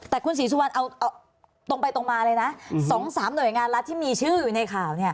แต่คุณศรีสุวรรณเอาตรงไปตรงมาเลยนะ๒๓หน่วยงานรัฐที่มีชื่ออยู่ในข่าว